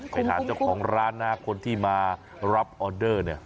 ไปถามเจ้าของร้านนะคนที่มารับออเดอร์เนี่ย